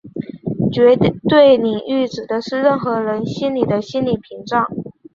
绝对领域指的就是任何人心里的心理屏障。